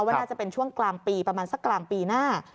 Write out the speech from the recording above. ว่าน่าจะเป็นช่วงกลางปีประมาณสักกลางปีหน้า